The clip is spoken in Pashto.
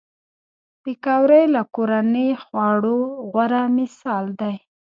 پکورې له کورني خوړو غوره مثال دی